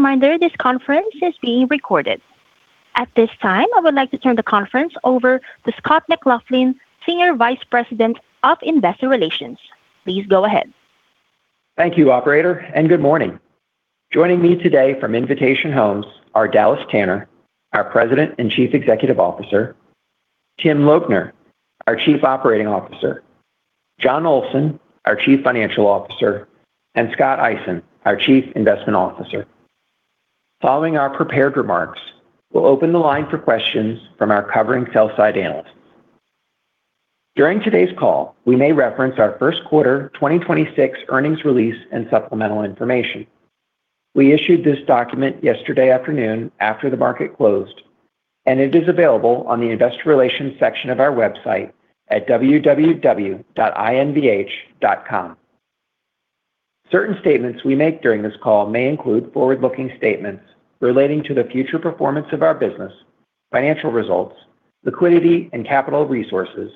Reminder, this conference is being recorded. At this time, I would like to turn the conference over to Scott McLaughlin, Senior Vice President of Investor Relations. Please go ahead. Thank you, operator, and good morning. Joining me today from Invitation Homes are Dallas Tanner, our President and Chief Executive Officer, Tim Lobner, our Chief Operating Officer, Jon Olsen, our Chief Financial Officer, and Scott Eisen, our Chief Investment Officer. Following our prepared remarks, we'll open the line for questions from our covering sell-side analysts. During today's call, we may reference our first quarter 2026 earnings release and supplemental information. We issued this document yesterday afternoon after the market closed, and it is available on the investor relations section of our website at invh.com. Certain statements we make during this call may include forward-looking statements relating to the future performance of our business, financial results, liquidity and capital resources,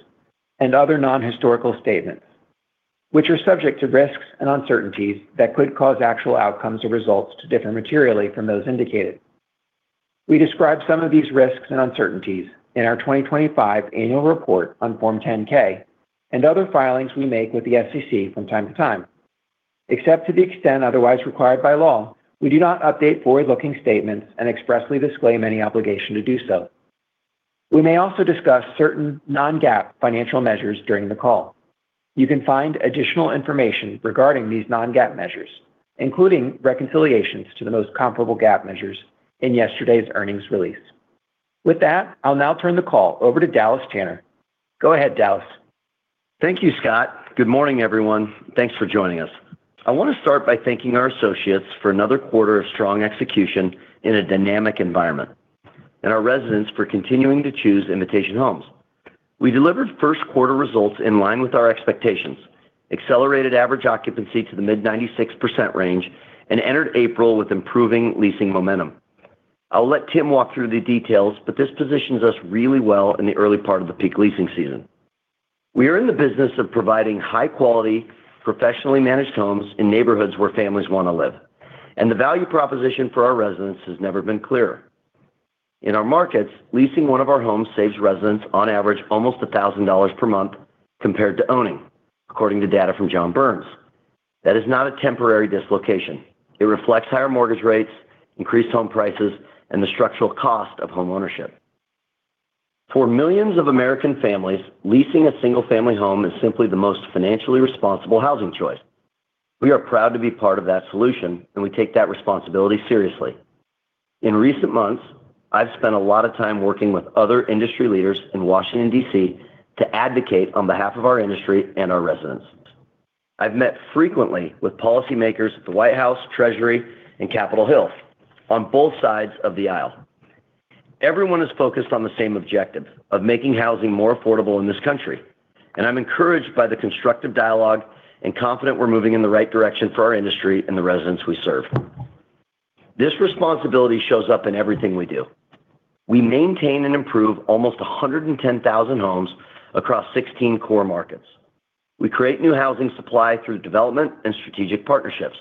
and other non-historical statements, which are subject to risks and uncertainties that could cause actual outcomes or results to differ materially from those indicated. We describe some of these risks and uncertainties in our 2025 Annual Report on Form 10-K and other filings we make with the SEC from time to time. Except to the extent otherwise required by law, we do not update forward-looking statements and expressly disclaim any obligation to do so. We may also discuss certain non-GAAP financial measures during the call. You can find additional information regarding these non-GAAP measures, including reconciliations to the most comparable GAAP measures in yesterday's earnings release. With that, I'll now turn the call over to Dallas Tanner. Go ahead, Dallas. Thank you, Scott. Good morning, everyone. Thanks for joining us. I want to start by thanking our associates for another first quarter of strong execution in a dynamic environment, and our residents for continuing to choose Invitation Homes. We delivered first quarter results in line with our expectations, accelerated average occupancy to the mid-96% range, and entered April with improving leasing momentum. I'll let Tim walk through the details, but this positions us really well in the early part of the peak leasing season. We are in the business of providing high-quality, professionally managed homes in neighborhoods where families want to live, and the value proposition for our residents has never been clearer. In our markets, leasing one of our homes saves residents on average almost $1,000 per month compared to owning, according to data from John Burns. That is not a temporary dislocation. It reflects higher mortgage rates, increased home prices, and the structural cost of homeownership. For millions of American families, leasing a single-family home is simply the most financially responsible housing choice. We are proud to be part of that solution, and we take that responsibility seriously. In recent months, I've spent a lot of time working with other industry leaders in Washington, D.C. to advocate on behalf of our industry and our residents. I've met frequently with policymakers at the White House, Treasury, and Capitol Hill on both sides of the aisle. Everyone is focused on the same objective of making housing more affordable in this country, and I'm encouraged by the constructive dialogue and confident we're moving in the right direction for our industry and the residents we serve. This responsibility shows up in everything we do. We maintain and improve almost 110,000 homes across 16 core markets. We create new housing supply through development and strategic partnerships,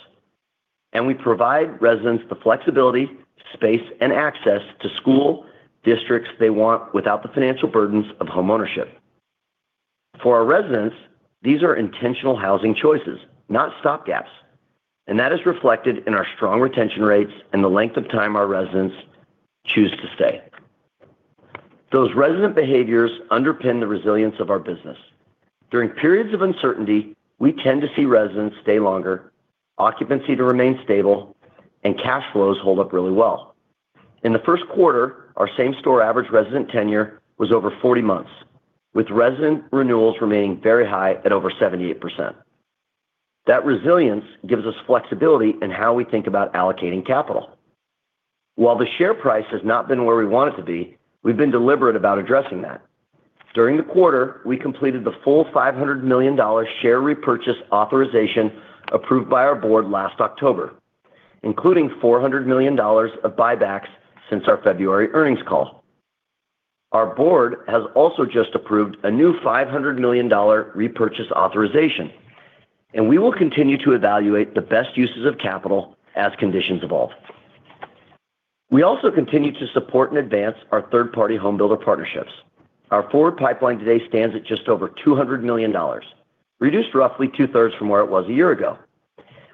and we provide residents the flexibility, space, and access to school districts they want without the financial burdens of homeownership. For our residents, these are intentional housing choices, not stopgaps, and that is reflected in our strong retention rates and the length of time our residents choose to stay. Those resident behaviors underpin the resilience of our business. During periods of uncertainty, we tend to see residents stay longer, occupancy to remain stable, and cash flows hold up really well. In the first quarter, our same-store average resident tenure was over 40 months, with resident renewals remaining very high at over 78%. That resilience gives us flexibility in how we think about allocating capital. While the share price has not been where we want it to be, we've been deliberate about addressing that. During the quarter, we completed the full $500 million share repurchase authorization approved by our Board last October, including $400 million of buybacks since our February earnings call. Our Board has also just approved a new $500 million repurchase authorization, and we will continue to evaluate the best uses of capital as conditions evolve. We also continue to support and advance our third-party home builder partnerships. Our forward pipeline today stands at just over $200 million, reduced roughly two-thirds from where it was a year ago.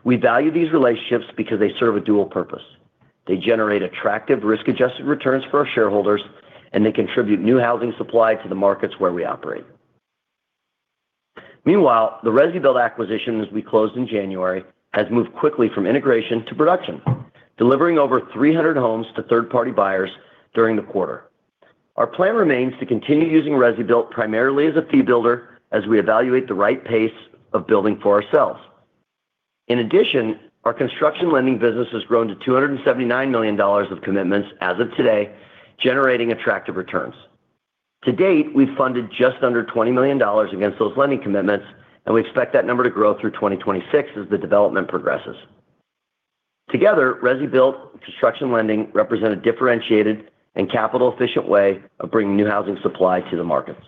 We value these relationships because they serve a dual purpose. They generate attractive risk-adjusted returns for our shareholders, and they contribute new housing supply to the markets where we operate. The ResiBuilt acquisition as we closed in January has moved quickly from integration to production, delivering over 300 homes to third-party buyers during the quarter. Our plan remains to continue using ResiBuilt primarily as a fee builder as we evaluate the right pace of building for ourselves. Our construction lending business has grown to $279 million of commitments as of today, generating attractive returns. To-date, we've funded just under $20 million against those lending commitments, and we expect that number to grow through 2026 as the development progresses. Together, ResiBuilt construction lending represent a differentiated and capital-efficient way of bringing new housing supply to the markets.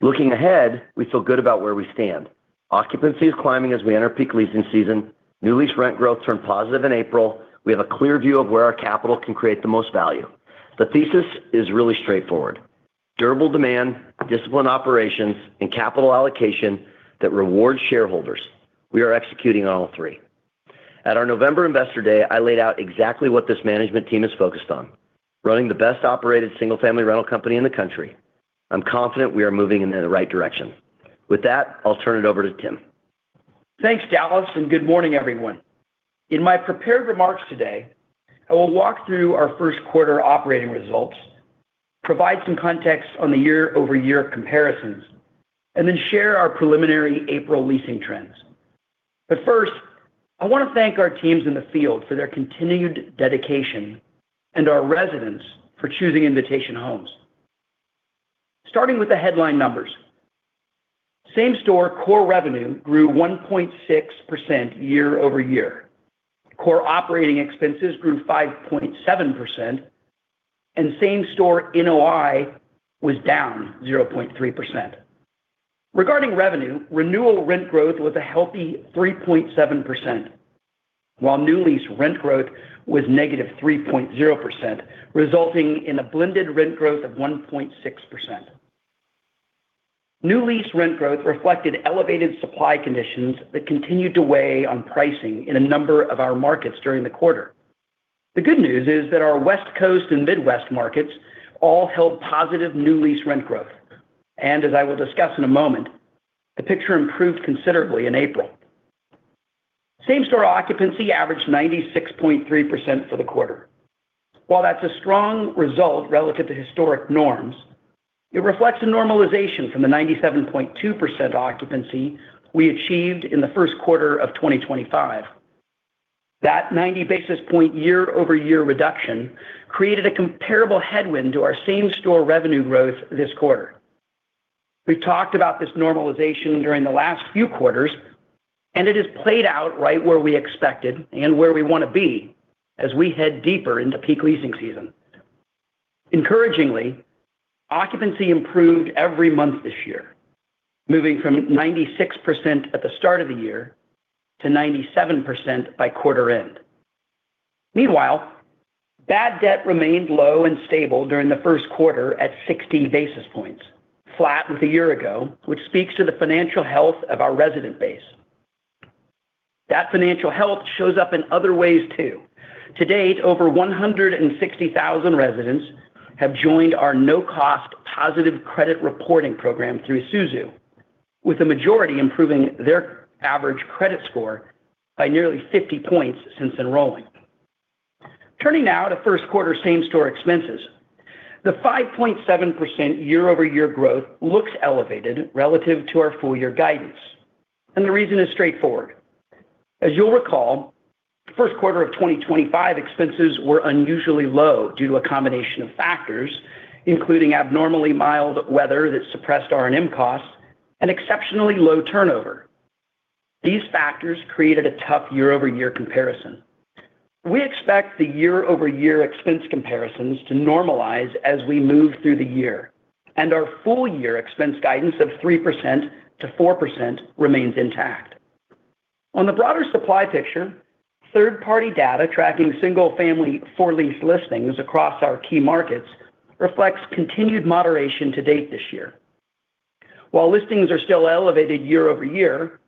Looking ahead, we feel good about where we stand. Occupancy is climbing as we enter peak leasing season. New lease rent growth turned positive in April. We have a clear view of where our capital can create the most value. The thesis is really straightforward. Durable demand, disciplined operations, and capital allocation that rewards shareholders. We are executing on all three. At our November Investor Day, I laid out exactly what this management team is focused on, running the best-operated single-family rental company in the country. I'm confident we are moving in the right direction. With that, I'll turn it over to Tim. Thanks, Dallas. Good morning, everyone. In my prepared remarks today, I will walk through our first quarter operating results, provide some context on the year-over-year comparisons, share our preliminary April leasing trends. First, I want to thank our teams in the field for their continued dedication and our residents for choosing Invitation Homes. Starting with the headline numbers. Same-Store Core Revenue grew 1.6% year-over-year. Core operating expenses grew 5.7%. Same-Store NOI was down 0.3%. Regarding revenue, renewal rent growth was a healthy 3.7%, while new lease rent growth was -3.0%, resulting in a blended rent growth of 1.6%. New lease rent growth reflected elevated supply conditions that continued to weigh on pricing in a number of our markets during the quarter. The good news is that our West Coast and Midwest markets all held positive new lease rent growth. As I will discuss in a moment, the picture improved considerably in April. Same-Store occupancy averaged 96.3% for the quarter. While that's a strong result relative to historic norms, it reflects a normalization from the 97.2% occupancy we achieved in the first quarter of 2025. That 90 basis point year-over-year reduction created a comparable headwind to our same-store revenue growth this quarter. We've talked about this normalization during the last few quarters, and it has played out right where we expected and where we want to be as we head deeper into peak leasing season. Encouragingly, occupancy improved every month this year, moving from 96% at the start of the year to 97% by quarter end. Meanwhile, bad debt remained low and stable during the first quarter at 60 basis points, flat with a year ago, which speaks to the financial health of our resident base. That financial health shows up in other ways, too. To date, over 160,000 residents have joined our no-cost positive credit reporting program through Esusu, with the majority improving their average credit score by nearly 50 points since enrolling. Turning now to first quarter same-store expenses. The 5.7% year-over-year growth looks elevated relative to our full year guidance, and the reason is straightforward. As you'll recall, first quarter of 2025 expenses were unusually low due to a combination of factors, including abnormally mild weather that suppressed R&M costs and exceptionally low turnover. These factors created a tough year-over-year comparison. We expect the year-over-year expense comparisons to normalize as we move through the year, and our full year expense guidance of 3%-4% remains intact. On the broader supply picture, third-party data tracking single-family for-lease listings across our key markets reflects continued moderation to date this year. While listings are still elevated year-over-year,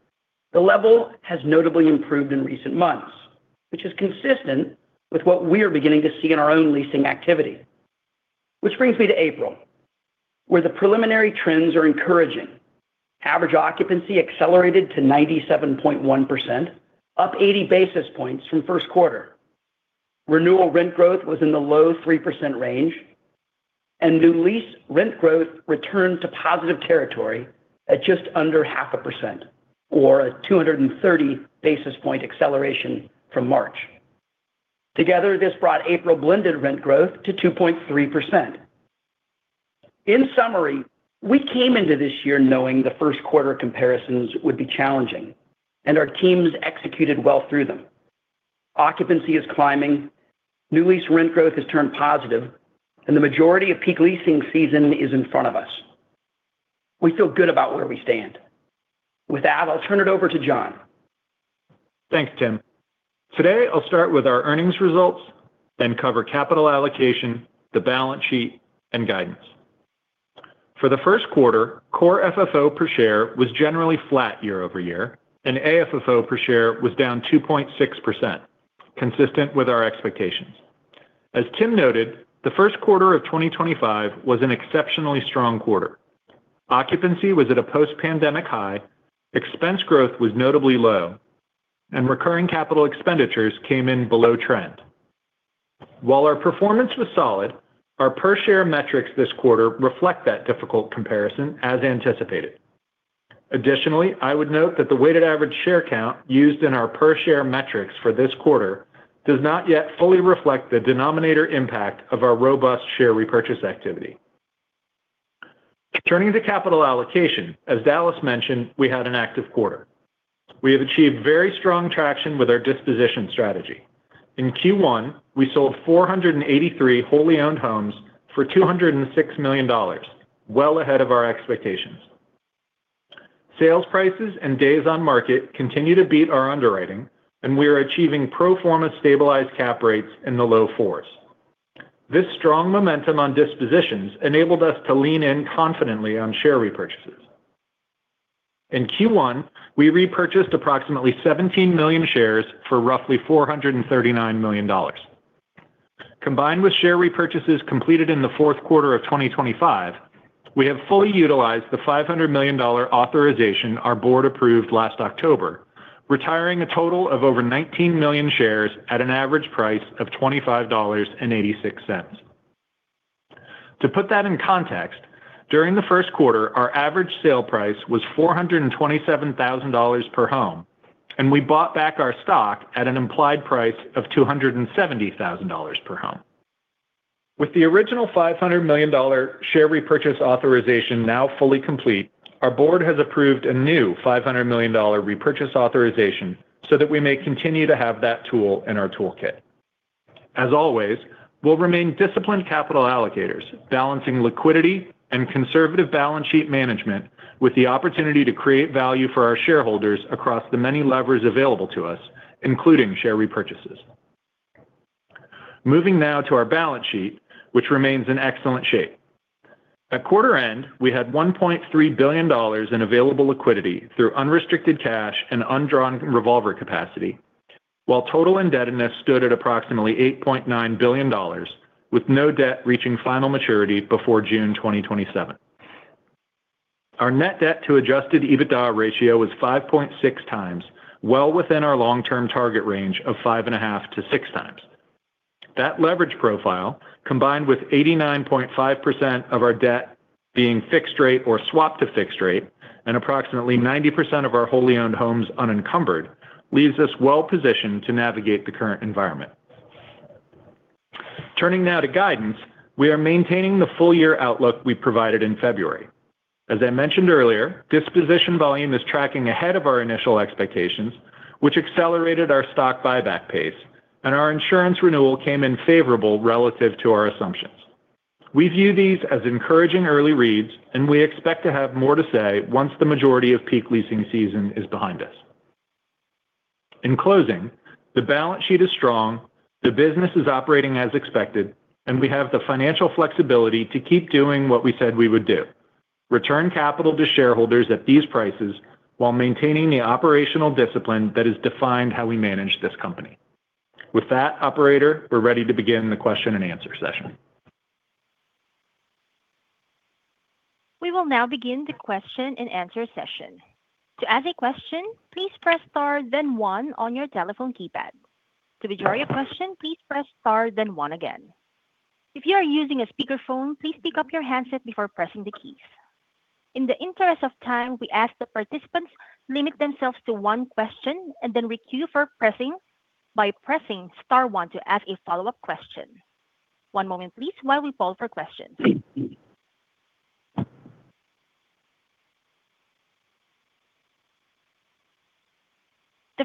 the level has notably improved in recent months, which is consistent with what we are beginning to see in our own leasing activity. Which brings me to April, where the preliminary trends are encouraging. Average occupancy accelerated to 97.1%, up 80 basis points from first quarter. Renewal rent growth was in the low 3% range, and new lease rent growth returned to positive territory at just under 0.5%, or a 230 basis point acceleration from March. Together, this brought April blended rent growth to 2.3%. In summary, we came into this year knowing the first quarter comparisons would be challenging, and our teams executed well through them. Occupancy is climbing, new lease rent growth has turned positive, and the majority of peak leasing season is in front of us. We feel good about where we stand. With that, I'll turn it over to Jon. Thanks, Tim. Today, I'll start with our earnings results, then cover capital allocation, the balance sheet, and guidance. For the first quarter, Core FFO per share was generally flat year-over-year, and AFFO per share was down 2.6%, consistent with our expectations. As Tim noted, the first quarter of 2025 was an exceptionally strong quarter. Occupancy was at a post-pandemic high, expense growth was notably low, and recurring capital expenditures came in below trend. While our performance was solid, our per share metrics this quarter reflect that difficult comparison as anticipated. Additionally, I would note that the weighted average share count used in our per share metrics for this quarter does not yet fully reflect the denominator impact of our robust share repurchase activity. Turning to capital allocation, as Dallas mentioned, we had an active quarter. We have achieved very strong traction with our disposition strategy. In Q1, we sold 483 wholly owned homes for $206 million, well ahead of our expectations. Sales prices and days on market continue to beat our underwriting, and we are achieving pro forma stabilized cap rates in the low 4%s. This strong momentum on dispositions enabled us to lean in confidently on share repurchases. In Q1, we repurchased approximately 17 million shares for roughly $439 million. Combined with share repurchases completed in the fourth quarter of 2025, we have fully utilized the $500 million authorization our Board approved last October, retiring a total of over 19 million shares at an average price of $25.86. To put that in context, during the first quarter, our average sale price was $427,000 per home, and we bought back our stock at an implied price of $270,000 per home. With the original $500 million share repurchase authorization now fully complete, our Board has approved a new $500 million repurchase authorization so that we may continue to have that tool in our toolkit. As always, we'll remain disciplined capital allocators, balancing liquidity and conservative balance sheet management with the opportunity to create value for our shareholders across the many levers available to us, including share repurchases. Moving now to our balance sheet, which remains in excellent shape. At quarter end, we had $1.3 billion in available liquidity through unrestricted cash and undrawn revolver capacity, while total indebtedness stood at approximately $8.9 billion, with no debt reaching final maturity before June 2027. Our net debt-to-adjusted EBITDA ratio was 5.6x, well within our long-term target range of 5.5x-6x. That leverage profile, combined with 89.5% of our debt being fixed rate or swapped to fixed rate and approximately 90% of our wholly owned homes unencumbered, leaves us well positioned to navigate the current environment. Turning now to guidance, we are maintaining the full year outlook we provided in February. As I mentioned earlier, disposition volume is tracking ahead of our initial expectations, which accelerated our stock buyback pace, and our insurance renewal came in favorable relative to our assumptions. We view these as encouraging early reads, and we expect to have more to say once the majority of peak leasing season is behind us. In closing, the balance sheet is strong, the business is operating as expected, and we have the financial flexibility to keep doing what we said we would do: return capital to shareholders at these prices while maintaining the operational discipline that has defined how we manage this company. With that, operator, we're ready to begin the question-and-answer session. We will now begin the question-and-answer session. To ask a question please press star then one on your telephone keypad. To withdraw your questions please press star then one again. If you are using a speaker phone please pick up your handset before pressing the keys. The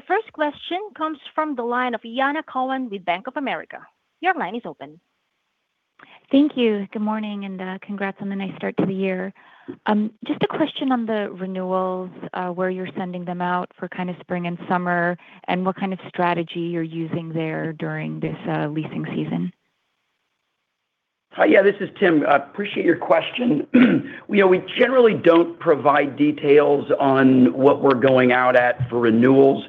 first question comes from the line of Jana Galan with Bank of America. Your line is open. Thank you. Good morning. Congrats on the nice start to the year. Just a question on the renewals, where you're sending them out for kind of spring and summer and what kind of strategy you're using there during this leasing season? Hi. This is Tim. Appreciate your question. We generally don't provide details on what we're going out at for renewals.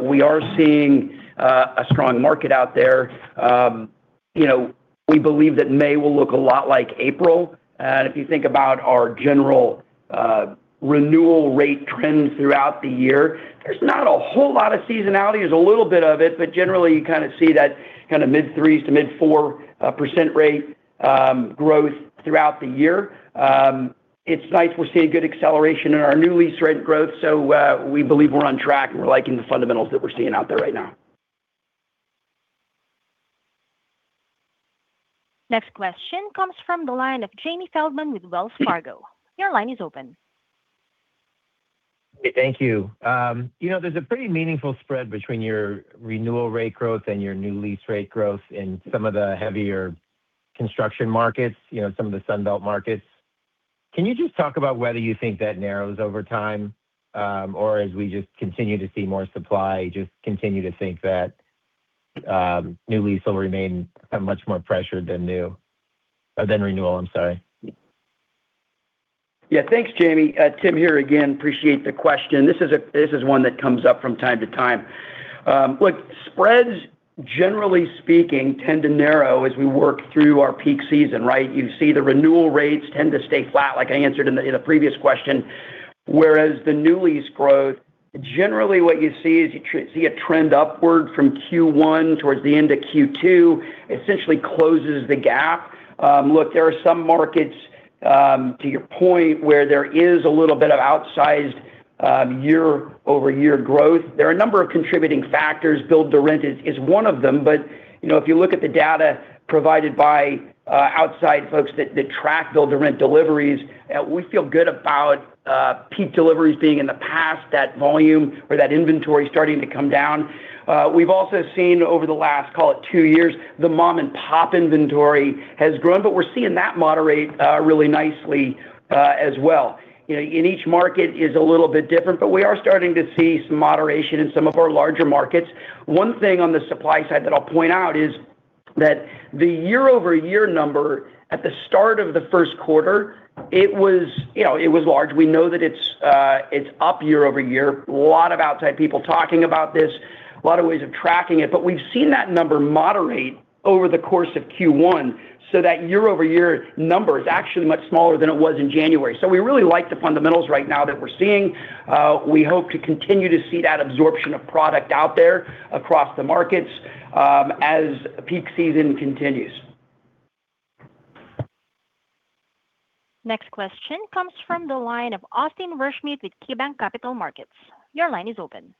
We are seeing a strong market out there. You know, we believe that May will look a lot like April. If you think about our general renewal rate trends throughout the year, there's not a whole lot of seasonality. There's a little bit of it, but generally, you kind of see that kind of mid-3%s to mid-4% rate growth throughout the year. It's nice we're seeing good acceleration in our new lease rent growth. We believe we're on track, and we're liking the fundamentals that we're seeing out there right now. Next question comes from the line of Jamie Feldman with Wells Fargo. Your line is open. Thank you. You know, there's a pretty meaningful spread between your renewal rate growth and your new lease rate growth in some of the heavier construction markets, you know, some of the Sun Belt markets. Can you just talk about whether you think that narrows over time, or as we just continue to see more supply, just continue to think that new lease will remain much more pressured than renewal, I'm sorry? Thanks, Jamie. Tim here again. Appreciate the question. This is one that comes up from time to time. Look, spreads, generally speaking, tend to narrow as we work through our peak season, right? You see the renewal rates tend to stay flat like I answered in the previous question, whereas the new lease growth, generally what you see is you see a trend upward from Q1 towards the end of Q2, essentially closes the gap. Look, there are some markets, to your point, where there is a little bit of outsized Year-over-year growth. There are a number of contributing factors. Build-to-rent is one of them. You know, if you look at the data provided by outside folks that track build-to-rent deliveries, we feel good about peak deliveries being in the past, that volume or that inventory starting to come down. We've also seen over the last, call it two years, the mom-and-pop inventory has grown, but we're seeing that moderate really nicely as well. You know, each market is a little bit different, but we are starting to see some moderation in some of our larger markets. One thing on the supply side that I'll point out is that the year-over-year number at the start of the first quarter, it was, you know, it was large. We know that it's up year-over-year. Lot of outside people talking about this, a lot of ways of tracking it. We've seen that number moderate over the course of Q1 so that year-over-year number is actually much smaller than it was in January. We really like the fundamentals right now that we're seeing. We hope to continue to see that absorption of product out there across the markets as peak season continues. Next question comes from the line of Austin Wurschmidt with KeyBanc Capital Markets. Your line is open.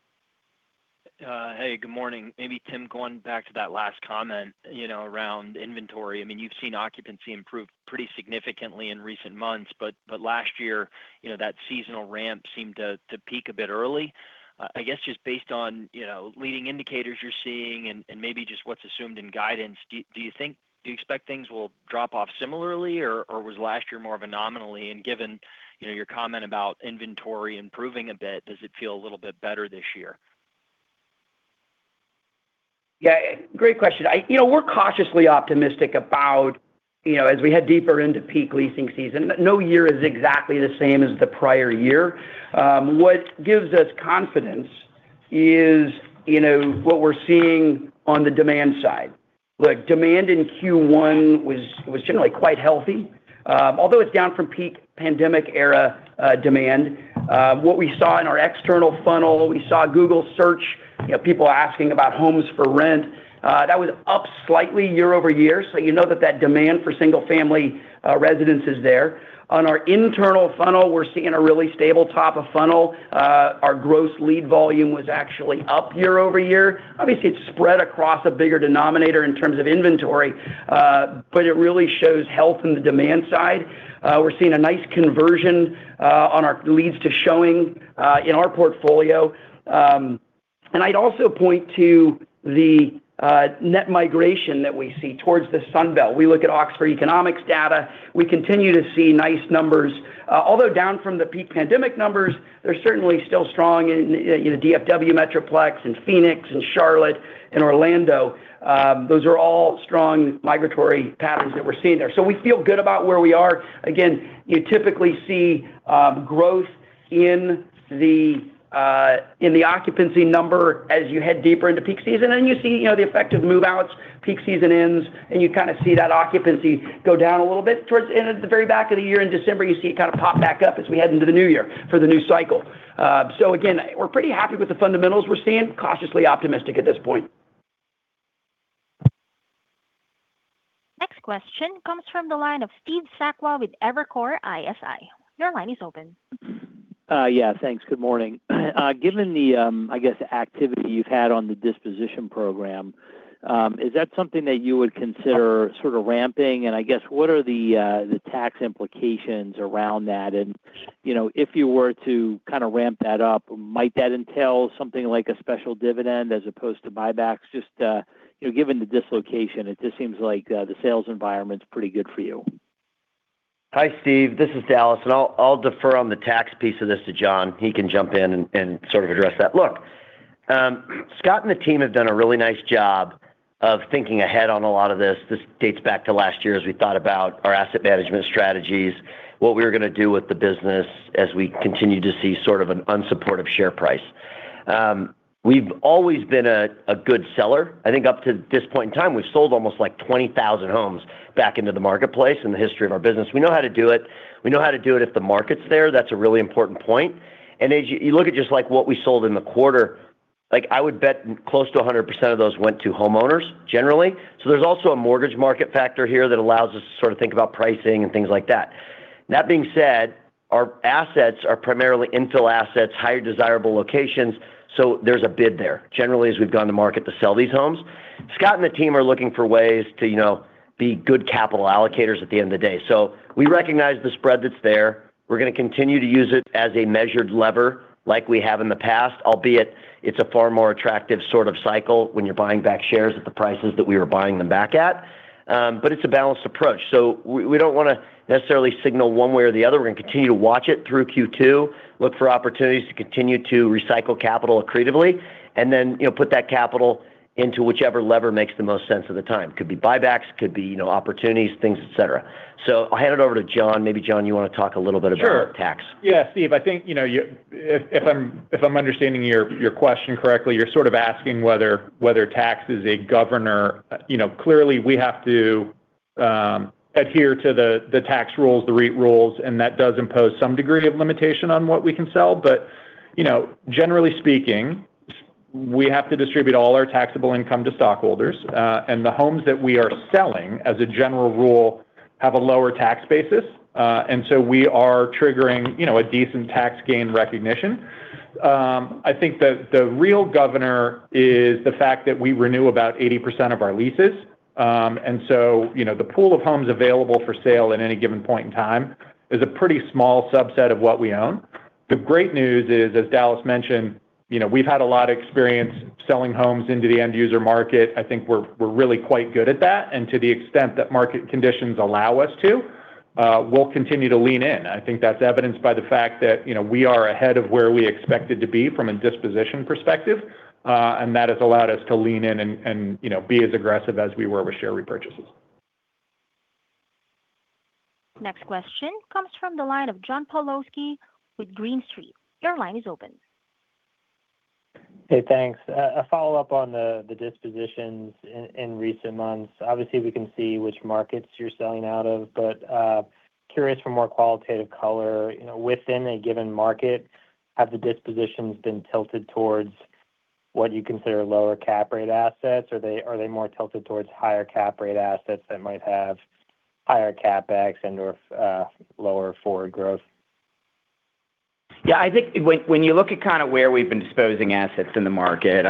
Hey, good morning. Maybe Tim, going back to that last comment, you know, around inventory. I mean, you've seen occupancy improve pretty significantly in recent months, but last year, you know, that seasonal ramp seemed to peak a bit early. I guess just based on, you know, leading indicators you're seeing and maybe just what's assumed in guidance, do you expect things will drop off similarly or was last year more of an anomaly? Given, you know, your comment about inventory improving a bit, does it feel a little bit better this year? Yeah, great question. You know, we're cautiously optimistic about, you know, as we head deeper into peak leasing season. No year is exactly the same as the prior year. What gives us confidence is, you know, what we're seeing on the demand side. Look, demand in Q1 was generally quite healthy. Although it's down from peak pandemic era demand, what we saw in our external funnel, we saw Google search, you know, people asking about homes for rent, that was up slightly year-over-year. You know that demand for single family residents is there. On our internal funnel, we're seeing a really stable top of funnel. Our gross lead volume was actually up year-over-year. Obviously, it's spread across a bigger denominator in terms of inventory, but it really shows health in the demand side. We're seeing a nice conversion on our leads to showing in our portfolio. I'd also point to the net migration that we see towards the Sun Belt. We look at Oxford Economics data. We continue to see nice numbers. Although down from the peak pandemic numbers, they're certainly still strong in, you know, DFW Metroplex, in Phoenix, in Charlotte, in Orlando. Those are all strong migratory patterns that we're seeing there. We feel good about where we are. Again, you typically see growth in the occupancy number as you head deeper into peak season. You see, you know, the effect of move-outs, peak season ends, and you kind of see that occupancy go down a little bit. Towards the end of the very back of the year in December, you see it kind of pop back up as we head into the new year for the new cycle. Again, we're pretty happy with the fundamentals we're seeing. Cautiously optimistic at this point. Next question comes from the line of Steve Sakwa with Evercore ISI. Your line is open. Yeah, thanks. Good morning. Given the, I guess activity you've had on the disposition program, is that something that you would consider sort of ramping? I guess what are the tax implications around that? You know, if you were to kind of ramp that up, might that entail something like a special dividend as opposed to buybacks? Just, you know, given the dislocation, it just seems like the sales environment's pretty good for you. Hi, Steve. This is Dallas. I'll defer on the tax piece of this to Jon. He can jump in and sort of address that. Look, Scott and the team have done a really nice job of thinking ahead on a lot of this. This dates back to last year as we thought about our asset management strategies, what we were gonna do with the business as we continue to see sort of an unsupportive share price. We've always been a good seller. I think up to this point in time, we've sold almost like 20,000 homes back into the marketplace in the history of our business. We know how to do it. We know how to do it if the market's there. That's a really important point. As you look at just, like, what we sold in the quarter, like, I would bet close to 100% of those went to homeowners generally. There's also a mortgage market factor here that allows us to sort of think about pricing and things like that. That being said, our assets are primarily infill assets, higher desirable locations, so there's a bid there. Generally, as we've gone to market to sell these homes, Scott and the team are looking for ways to, you know, be good capital allocators at the end of the day. We recognize the spread that's there. We're gonna continue to use it as a measured lever like we have in the past, albeit it's a far more attractive sort of cycle when you're buying back shares at the prices that we were buying them back at. It's a balanced approach. We, we don't wanna necessarily signal one way or the other. We're gonna continue to watch it through Q2, look for opportunities to continue to recycle capital creatively, and then, you know, put that capital into whichever lever makes the most sense at the time. Could be buybacks, could be, you know, opportunities, things, et cetera. I'll hand it over to Jon. Maybe, Jon, you wanna talk a little bit about tax. Sure. Yeah, Steve, I think, you know, if I'm understanding your question correctly, you're sort of asking whether tax is a governor. You know, clearly we have to adhere to the tax rules, the REIT rules, that does impose some degree of limitation on what we can sell. You know, generally speaking, we have to distribute all our taxable income to stockholders. The homes that we are selling, as a general rule, have a lower tax basis. We are triggering, you know, a decent tax gain recognition. I think the real governor is the fact that we renew about 80% of our leases. You know, the pool of homes available for sale at any given point in time is a pretty small subset of what we own. The great news is, as Dallas mentioned, you know, we've had a lot of experience selling homes into the end user market. I think we're really quite good at that. To the extent that market conditions allow us to, we'll continue to lean in. I think that's evidenced by the fact that, you know, we are ahead of where we expected to be from a disposition perspective. That has allowed us to lean in and, you know, be as aggressive as we were with share repurchases. Next question comes from the line of John Pawlowski with Green Street. Your line is open. Hey, thanks. A follow-up on the dispositions in recent months. Obviously, we can see which markets you're selling out of, but curious for more qualitative color. You know, within a given market, have the dispositions been tilted towards what you consider lower cap rate assets, or are they more tilted towards higher cap rate assets that might have higher CapEx and/or lower forward growth? I think when you look at kind of where we've been disposing assets in the market,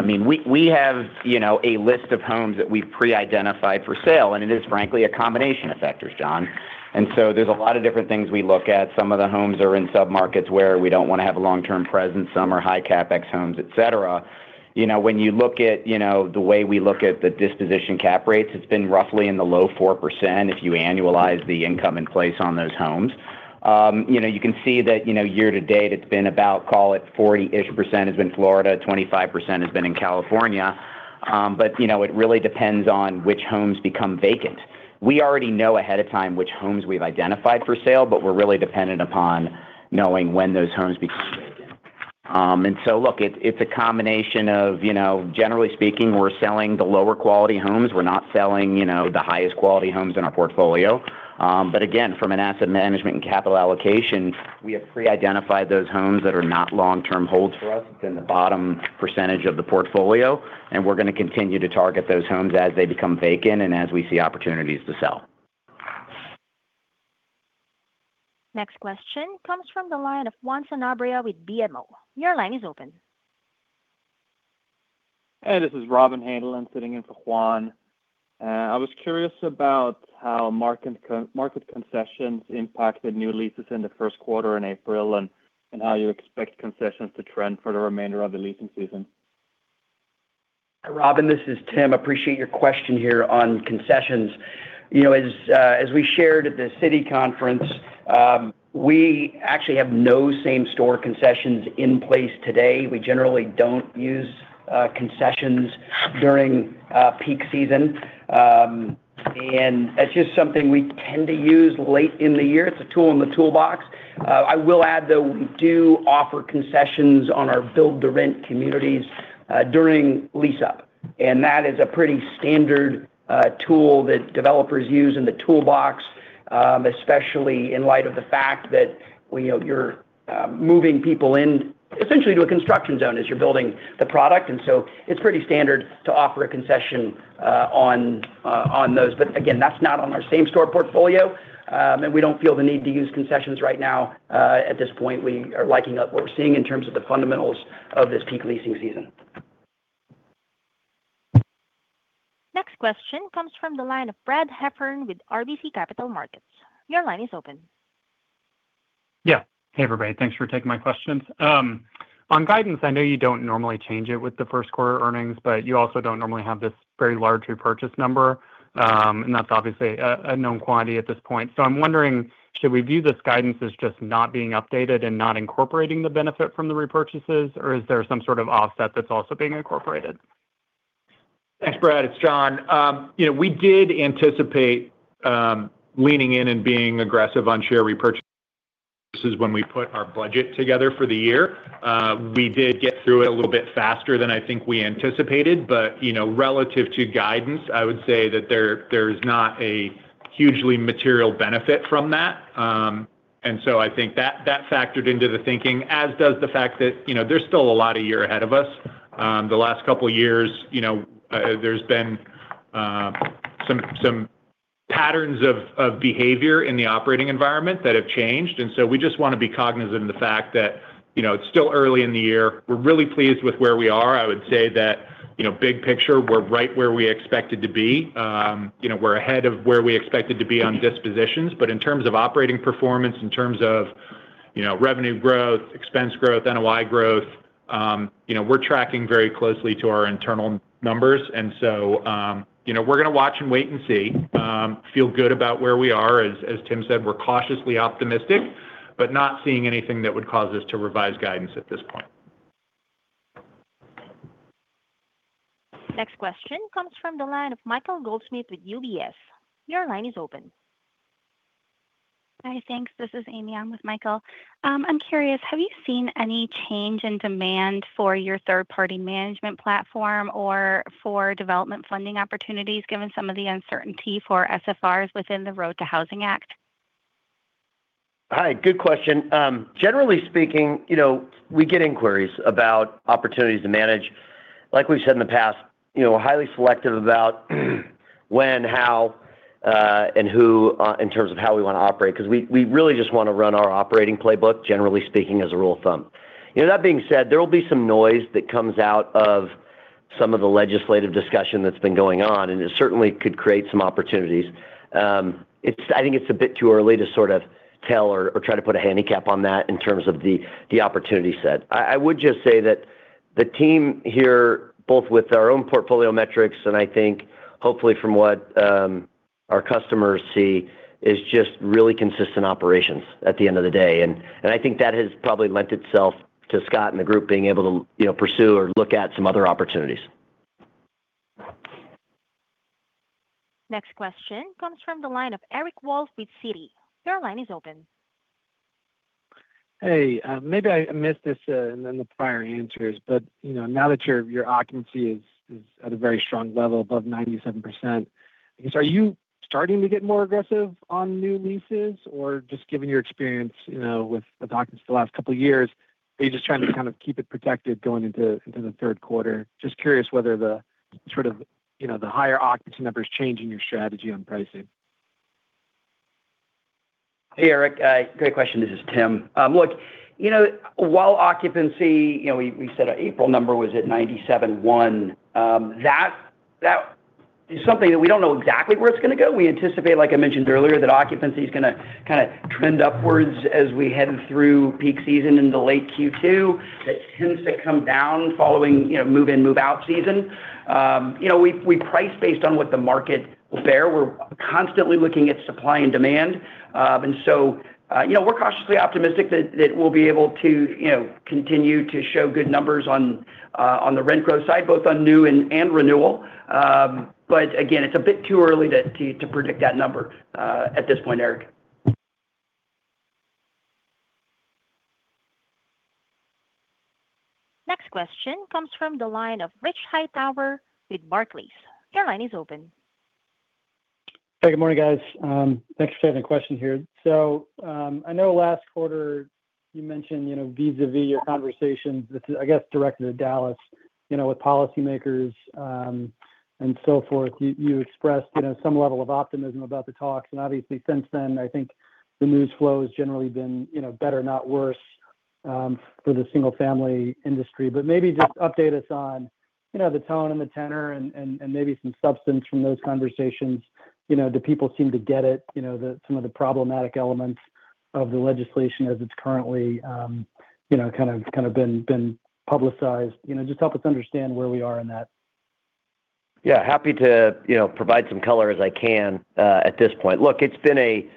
we have, you know, a list of homes that we've pre-identified for sale, it is frankly a combination of factors, John. There's a lot of different things we look at. Some of the homes are in submarkets where we don't wanna have a long-term presence. Some are high CapEx homes, et cetera. You know, when you look at, you know, the way we look at the disposition cap rates, it's been roughly in the low 4% if you annualize the income in place on those homes. You know, you can see that, you know, year to date it's been about, call it 40-ish% has been Florida, 25% has been in California. You know, it really depends on which homes become vacant. We already know ahead of time which homes we've identified for sale, but we're really dependent upon knowing when those homes become vacant. Look, it's a combination of, you know, generally speaking, we're selling the lower quality homes. We're not selling, you know, the highest quality homes in our portfolio. Again, from an asset management and capital allocation, we have pre-identified those homes that are not long-term holds for us. It's in the bottom percentage of the portfolio, and we're gonna continue to target those homes as they become vacant and as we see opportunities to sell. Next question comes from the line of Juan Sanabria with BMO. Your line is open. Hey, this is Robin Haneland sitting in for Juan. I was curious about how market concessions impacted new leases in the first quarter in April and how you expect concessions to trend for the remainder of the leasing season. Robin, this is Tim. Appreciate your question here on concessions. You know, as we shared at the Citi conference, we actually have no same-store concessions in place today. We generally don't use concessions during peak season. That's just something we tend to use late in the year. It's a tool in the toolbox. I will add though, we do offer concessions on our build-to-rent communities during lease-up. That is a pretty standard tool that developers use in the toolbox, especially in light of the fact that when, you know, you're moving people in essentially to a construction zone as you're building the product. It's pretty standard to offer a concession on those. Again, that's not on our same-store portfolio. We don't feel the need to use concessions right now. At this point, we are liking what we're seeing in terms of the fundamentals of this peak leasing season. Next question comes from the line of Brad Heffern with RBC Capital Markets. Your line is open. Yeah. Hey, everybody. Thanks for taking my questions. On guidance, I know you don't normally change it with the first quarter earnings, but you also don't normally have this very large repurchase number. That's obviously a known quantity at this point. I'm wondering, should we view this guidance as just not being updated and not incorporating the benefit from the repurchases, or is there some sort of offset that's also being incorporated? Thanks, Brad. It's Jon. you know, we did anticipate leaning in and being aggressive on share repurchase when we put our budget together for the year. We did get through it a little bit faster than I think we anticipated, but you know, relative to guidance, I would say that there's not a hugely material benefit from that. I think that factored into the thinking, as does the fact that, you know, there's still a lot of year ahead of us. The last couple years, you know, there's been some patterns of behavior in the operating environment that have changed. We just wanna be cognizant of the fact that, you know, it's still early in the year. We're really pleased with where we are. I would say that, you know, big picture, we're right where we expected to be. You know, we're ahead of where we expected to be on dispositions. In terms of operating performance, in terms of, you know, revenue growth, expense growth, NOI growth, you know, we're tracking very closely to our internal numbers. You know, we're gonna watch and wait and see. Feel good about where we are. As Tim said, we're cautiously optimistic, but not seeing anything that would cause us to revise guidance at this point. Next question comes from the line of Michael Goldsmith with UBS. Your line is open. Hi, thanks. This is Amy. I'm with Michael. I'm curious, have you seen any change in demand for your third-party management platform or for development funding opportunities given some of the uncertainty for SFRs within the ROAD to Housing Act? Hi, good question. Generally speaking, you know, we get inquiries about opportunities to manage. Like we've said in the past, you know, we're highly selective about when, how, and who, in terms of how we wanna operate, because we really just wanna run our operating playbook, generally speaking as a rule of thumb. You know, that being said, there will be some noise that comes out of some of the legislative discussion that's been going on, and it certainly could create some opportunities. I think it's a bit too early to sort of tell or try to put a handicap on that in terms of the opportunity set. I would just say that the team here, both with our own portfolio metrics and I think hopefully from what our customers see, is just really consistent operations at the end of the day. I think that has probably lent itself to Scott and the group being able to, you know, pursue or look at some other opportunities. Next question comes from the line of Eric Wolfe with Citi. Your line is open. Hey. Maybe I missed this, in any of the prior answers, but, you know, now that your occupancy is at a very strong level above 97%, I guess, are you starting to get more aggressive on new leases? Or just given your experience, you know, with the occupancy the last couple years, are you just trying to kind of keep it protected going into the third quarter? Just curious whether the sort of, you know, the higher occupancy numbers changing your strategy on pricing? Hey, Eric. Great question. This is Tim. Look, you know, while occupancy, you know, we said our April number was at 97.1%, that is something that we don't know exactly where it's gonna go. We anticipate, like I mentioned earlier, that occupancy is gonna kinda trend upwards as we head through peak season into late Q2. It tends to come down following, you know, move-in, move-out season. You know, we price based on what the market will bear. We're constantly looking at supply and demand. You know, we're cautiously optimistic that we'll be able to, you know, continue to show good numbers on the rent growth side, both on new and renewal. Again, it's a bit too early to predict that number at this point, Eric. Next question comes from the line of Rich Hightower with Barclays. Your line is open. Hey, good morning, guys. Thanks for taking the question here. I know last quarter you mentioned, you know, vis-a-vis your conversations with, I guess, directed to Dallas, you know, with policymakers, and so forth. You, you expressed, you know, some level of optimism about the talks, and obviously since then, I think the news flow has generally been, you know, better not worse, for the single-family industry. Maybe just update us on, you know, the tone and the tenor and maybe some substance from those conversations. You know, do people seem to get it, you know, some of the problematic elements of the legislation as it's currently, you know, kind of been publicized? You know, just help us understand where we are in that. Yeah. Happy to, you know, provide some color as I can at this point. Look, it's been a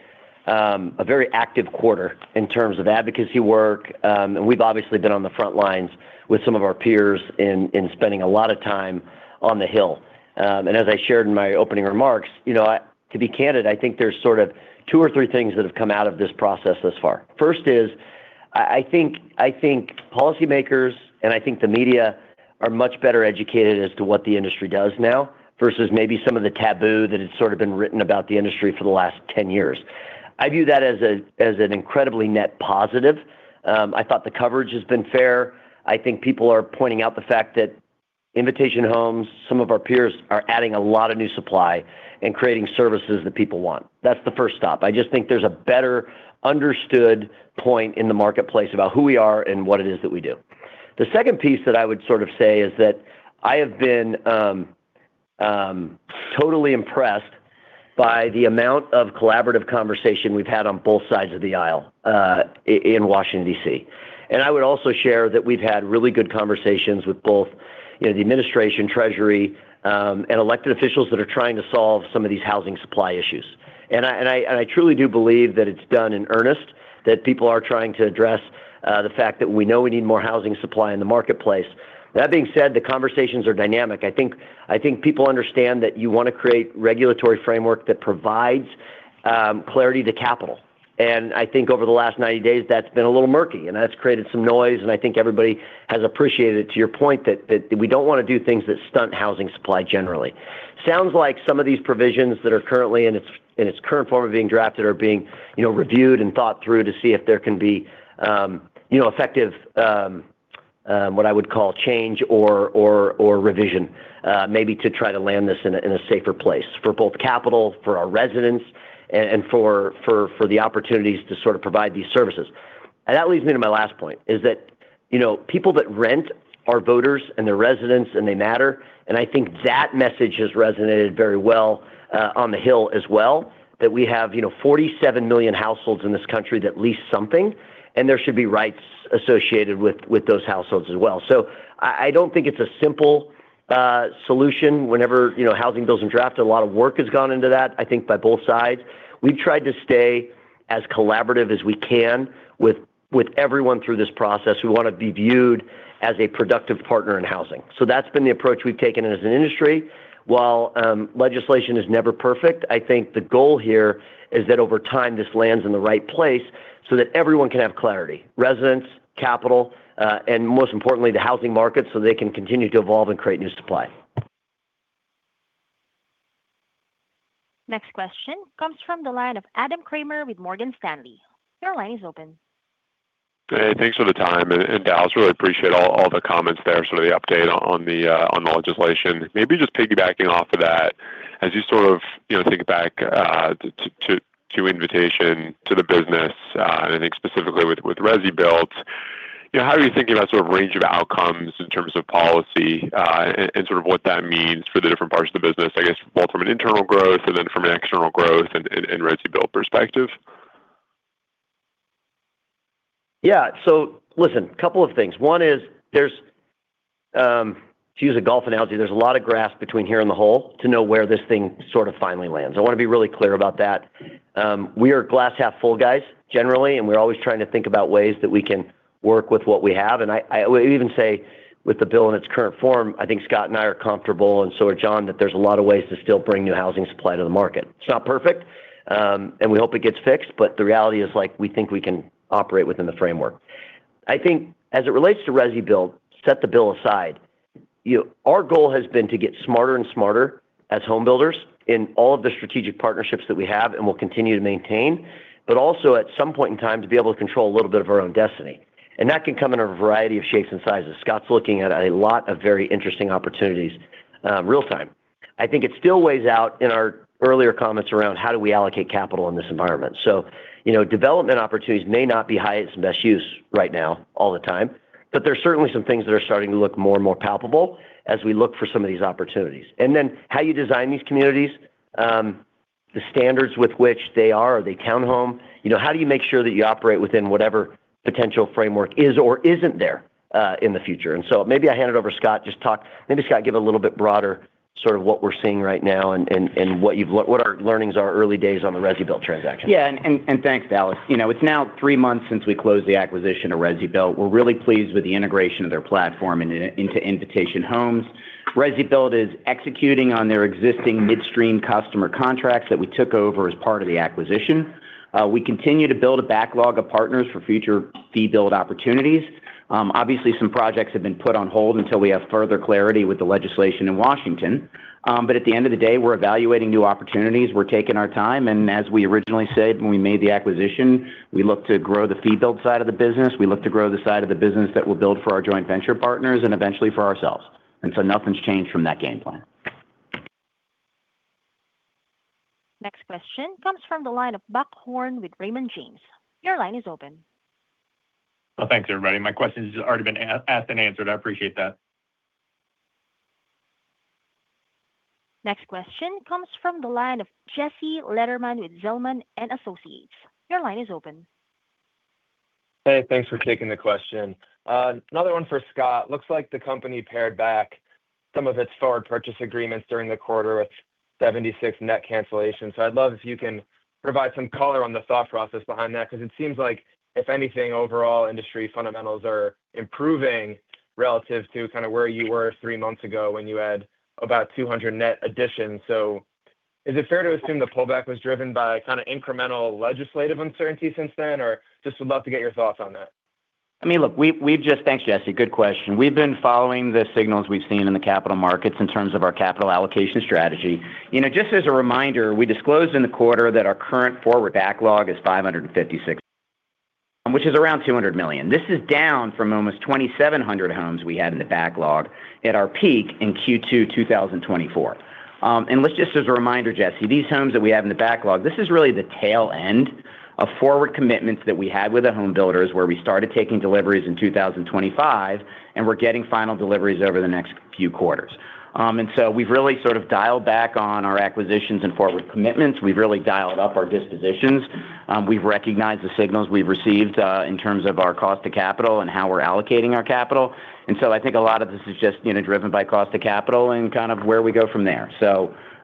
very active quarter in terms of advocacy work. We've obviously been on the front lines with some of our peers in spending a lot of time on the Hill. As I shared in my opening remarks, you know, to be candid, I think there's sort of two or three things that have come out of this process thus far. First is, I think policymakers and I think the media are much better educated as to what the industry does now versus maybe some of the taboo that has sort of been written about the industry for the last 10 years. I view that as an incredibly net positive. I thought the coverage has been fair. I think people are pointing out the fact that Invitation Homes, some of our peers, are adding a lot of new supply and creating services that people want. That's the first stop. I just think there's a better understood point in the marketplace about who we are and what it is that we do. The second piece that I would sort of say is that I have been totally impressed by the amount of collaborative conversation we've had on both sides of the aisle in Washington, D.C. I would also share that we've had really good conversations with both, you know, the administration Treasury, and elected officials that are trying to solve some of these housing supply issues. I truly do believe that it's done in earnest, that people are trying to address the fact that we know we need more housing supply in the marketplace. That being said, the conversations are dynamic. I think people understand that you wanna create regulatory framework that provides clarity to capital. I think over the last 90 days, that's been a little murky, and that's created some noise, and I think everybody has appreciated, to your point, that we don't wanna do things that stunt housing supply generally. Sounds like some of these provisions that are currently in its current form are being drafted, you know, reviewed and thought through to see if there can be, you know, effective, what I would call change or revision, maybe to try to land this in a safer place for both capital, for our residents and for the opportunities to sort of provide these services. That leads me to my last point, is that, you know, people that rent are voters and they're residents, and they matter, and I think that message has resonated very well on the Hill as well, that we have, you know, 47 million households in this country that lease something, and there should be rights associated with those households as well. I don't think it's a simple solution. Whenever, you know, housing bills are drafted, a lot of work has gone into that, I think by both sides. We've tried to stay as collaborative as we can with everyone through this process. We want to be viewed as a productive partner in housing. That's been the approach we've taken as an industry. While legislation is never perfect, I think the goal here is that over time, this lands in the right place so that everyone can have clarity, residents, capital, and most importantly, the housing market, so they can continue to evolve and create new supply. Next question comes from the line of Adam Kramer with Morgan Stanley. Your line is open. Thanks for the time. Dallas, really appreciate all the comments there, sort of the update on the legislation. Maybe just piggybacking off of that, as you sort of, you know, think back to Invitation to the business, and I think specifically with ResiBuilt. You know, how are you thinking about sort of range of outcomes in terms of policy, and sort of what that means for the different parts of the business, I guess both from an internal growth and then from an external growth and ResiBuilt perspective? Listen, couple of things. One is there's, to use a golf analogy, there's a lot of grass between here and the hole to know where this thing sort of finally lands. I wanna be really clear about that. We are glass half full guys generally, and we're always trying to think about ways that we can work with what we have. I would even say with the bill in its current form, I think Scott and I are comfortable, and so is Jon, that there's a lot of ways to still bring new housing supply to the market. It's not perfect. We hope it gets fixed. The reality is like we think we can operate within the framework. I think as it relates to ResiBuilt, set the bill aside. You know, our goal has been to get smarter and smarter as home builders in all of the strategic partnerships that we have and will continue to maintain. Also at some point in time, to be able to control a little bit of our own destiny. That can come in a variety of shapes and sizes. Scott's looking at a lot of very interesting opportunities, real time. I think it still weighs out in our earlier comments around how do we allocate capital in this environment. You know, development opportunities may not be highest and best use right now all the time, but there's certainly some things that are starting to look more and more palpable as we look for some of these opportunities. How you design these communities, the standards with which they are. Are they townhome? You know, how do you make sure that you operate within whatever potential framework is or isn't there in the future? Maybe I hand it over to Scott, Maybe Scott give a little bit broader sort of what we're seeing right now and what our learnings are early days on the ResiBuilt transaction. Yeah. Thanks, Dallas. You know, it's now three months since we closed the acquisition of ResiBuilt. We're really pleased with the integration of their platform into Invitation Homes. ResiBuilt is executing on their existing midstream customer contracts that we took over as part of the acquisition. We continue to build a backlog of partners for future fee build opportunities. Obviously some projects have been put on hold until we have further clarity with the legislation in Washington. At the end of the day, we're evaluating new opportunities. We're taking our time and as we originally said when we made the acquisition, we look to grow the fee build side of the business. We look to grow the side of the business that will build for our joint venture partners and eventually for ourselves. Nothing's changed from that game plan. Next question comes from the line of Buck Horne with Raymond James. Your line is open. Well, thanks everybody. My question has already been asked and answered. I appreciate that. Next question comes from the line of Jesse Lederman with Zelman & Associates. Hey, thanks for taking the question. Another one for Scott. Looks like the company paired back some of its forward purchase agreements during the quarter with 76 net cancellations. I'd love if you can provide some color on the thought process behind that, 'cause it seems like if anything, overall industry fundamentals are improving relative to kind of where you were three months ago when you had about 200 net additions. Is it fair to assume the pullback was driven by kind of incremental legislative uncertainty since then? Or just would love to get your thoughts on that. I mean, look, we've just Thanks, Jesse. Good question. We've been following the signals we've seen in the capital markets in terms of our capital allocation strategy. You know, just as a reminder, we disclosed in the quarter that our current forward backlog is 556 homes, which is around $200 million. This is down from almost 2,700 homes we had in the backlog at our peak in Q2 2024. Let's just as a reminder, Jesse, these homes that we have in the backlog, this is really the tail end of forward commitments that we had with the home builders where we started taking deliveries in 2025, and we're getting final deliveries over the next few quarters. We've really sort of dialed back on our acquisitions and forward commitments. We've really dialed up our dispositions. We've recognized the signals we've received in terms of our cost to capital and how we're allocating our capital. I think a lot of this is just driven by cost to capital and kind of where we go from there.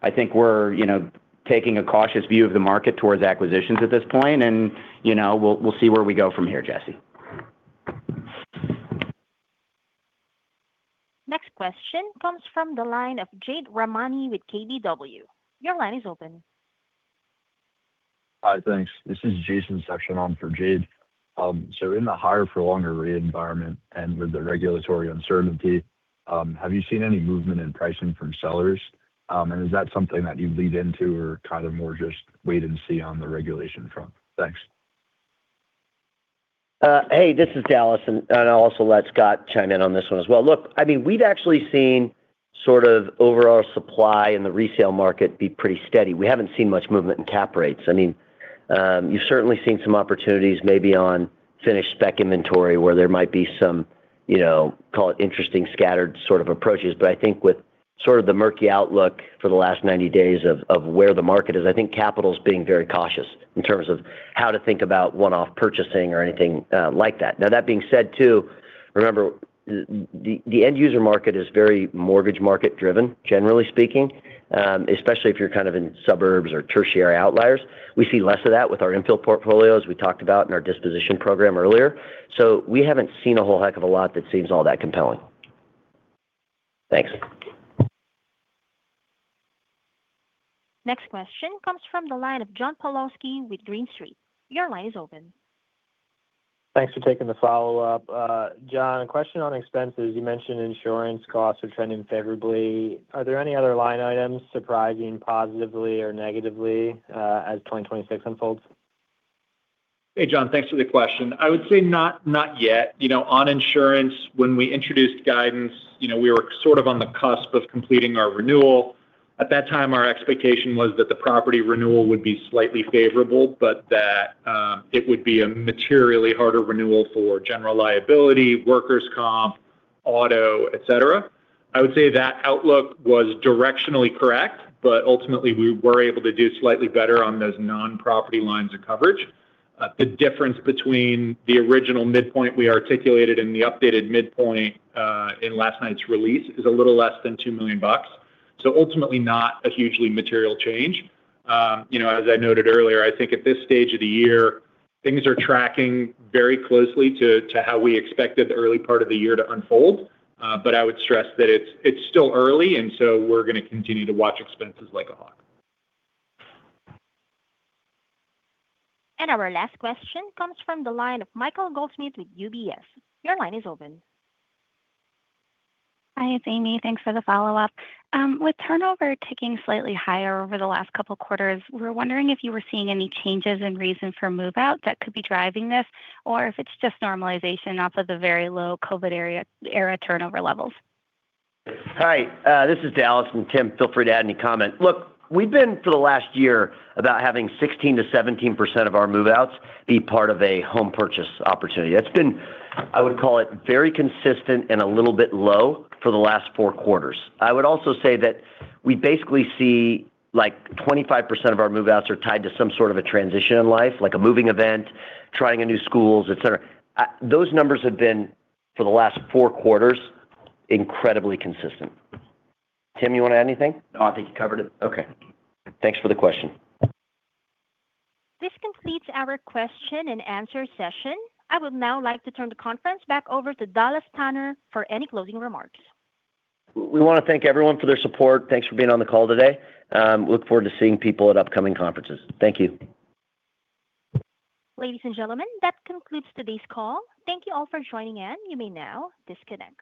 I think we're taking a cautious view of the market towards acquisitions at this point and we'll see where we go from here, Jesse. Next question comes from the line of Jade Rahmani with KBW. Your line is open. Hi, thanks. This is Jason Sabshon on for Jade. In the hire for longer rate environment and with the regulatory uncertainty, have you seen any movement in pricing from sellers? Is that something that you lead into or kind of more just wait and see on the regulation front? Thanks. Hey, this is Dallas and I'll also let Scott chime in on this one as well. Look, I mean, we've actually seen sort of overall supply in the resale market be pretty steady. We haven't seen much movement in cap rates. I mean, you've certainly seen some opportunities maybe on finished spec inventory where there might be some, you know, call it interesting scattered sort of approaches. I think with sort of the murky outlook for the last 90 days of where the market is, I think capital's being very cautious in terms of how to think about one-off purchasing or anything like that. Now that being said too, remember, the end user market is very mortgage market driven, generally speaking. Especially if you're kind of in suburbs or tertiary outliers. We see less of that with our infill portfolio as we talked about in our disposition program earlier. We haven't seen a whole heck of a lot that seems all that compelling. Thanks. Next question comes from the line of John Pawlowski with Green Street. Your line is open. Thanks for taking the follow-up. Jon, a question on expenses. You mentioned insurance costs are trending favorably. Are there any other line items surprising positively or negatively as 2026 unfolds? Hey, John, thanks for the question. I would say not yet. You know, on insurance, when we introduced guidance, you know, we were sort of on the cusp of completing our renewal. At that time, our expectation was that the property renewal would be slightly favorable, but that it would be a materially harder renewal for general liability, worker's comp, auto, et cetera. I would say that outlook was directionally correct, but ultimately, we were able to do slightly better on those non-property lines of coverage. The difference between the original midpoint we articulated and the updated midpoint in last night's release is a little less than $2 million. Ultimately, not a hugely material change. You know, as I noted earlier, I think at this stage of the year, things are tracking very closely to how we expected the early part of the year to unfold. I would stress that it's still early, and so we're gonna continue to watch expenses like a hawk. Our last question comes from the line of Michael Goldsmith with UBS. Your line is open. Hi, it's Amy. Thanks for the follow-up. With turnover ticking slightly higher over the last couple quarters, we were wondering if you were seeing any changes in reason for move-out that could be driving this, or if it's just normalization off of the very low COVID era turnover levels. Hi, this is Dallas. Tim, feel free to add any comment. Look, we've been, for the last year, about having 16%-17% of our move-outs be part of a home purchase opportunity. That's been, I would call it, very consistent and a little bit low for the last four quarters. I would also say that we basically see, like, 25% of our move-outs are tied to some sort of a transition in life, like a moving event, trying a new schools, et cetera. Those numbers have been, for the last four quarters, incredibly consistent. Tim, you wanna add anything? No, I think you covered it. Okay. Thanks for the question. This completes our question-and-answer session. I would now like to turn the conference back over to Dallas Tanner for any closing remarks. We wanna thank everyone for their support. Thanks for being on the call today. Look forward to seeing people at upcoming conferences. Thank you. Ladies and gentlemen, that concludes today's call. Thank you all for joining in. You may now disconnect.